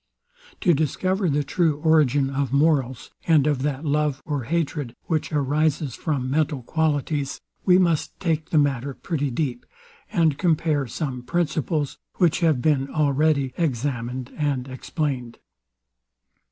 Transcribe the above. To discover the true origin of morals, and of that love or hatred, which arises from mental qualities, we must take the matter pretty deep, and compare some principles, which have been already examined and explained.